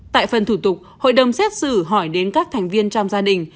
tại phần thủ tục hội đồng xét xử hỏi đến các thành viên trong gia đình